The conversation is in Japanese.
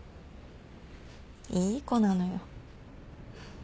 いい子なのよ。